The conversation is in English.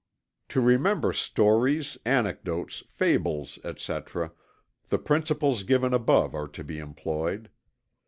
To remember stories, anecdotes, fables, etc., the principles given above are to be employed.